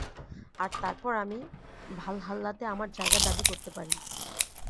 আর তারপর আমি ভালহাল্লাতে আমার জায়গা দাবি করতে পারি।